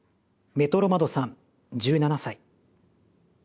メトロ窓さん１７歳。